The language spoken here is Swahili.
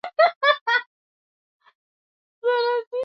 ya kuadhimisha kwa siku ya ukimwi duniani huu ndio muktasari wa habari